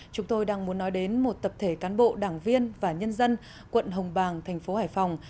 chúng tôi đang muốn nói đến một tập thể cán bộ đảng viên và nhân dân quận hồng bàng thành phố hải phòng